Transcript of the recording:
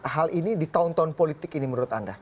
hal ini di tahun tahun politik ini menurut anda